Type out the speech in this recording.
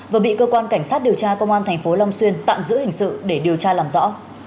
vừa bị cơ quan cảnh sát điều tra công an tp long xuyên tạm giữ hình sự để điều tra làm rõ